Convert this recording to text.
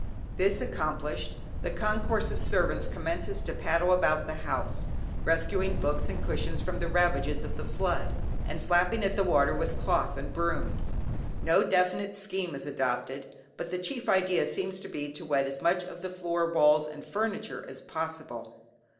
This accomplished, the concourse of servants commences to paddle about the house, rescuing books and cushions from the ravages of the flood, and flapping at the water with cloth and brooms. No definite scheme is adopted, but the chief idea seems to be to wet as much of the floor, walls, and furniture as possible.